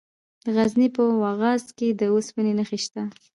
د غزني په واغظ کې د اوسپنې نښې شته.